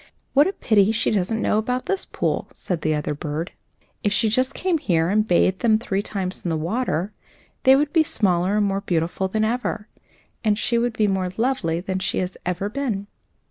"What a pity she doesn't know about this pool!" said the other bird. "If she just came here and bathed them three times in the water, they would be smaller and more beautiful than ever, and she would be more lovely than she has ever been."